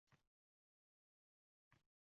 Yangi hamkor bo'lganlarga sovg'alar beriladi.